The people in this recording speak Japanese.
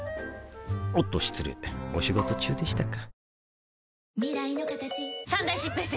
おっと失礼お仕事中でしたか